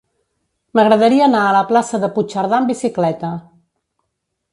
M'agradaria anar a la plaça de Puigcerdà amb bicicleta.